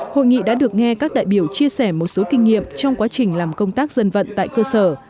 hội nghị đã được nghe các đại biểu chia sẻ một số kinh nghiệm trong quá trình làm công tác dân vận tại cơ sở